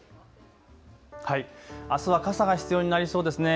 あすは傘が必要になりそうですね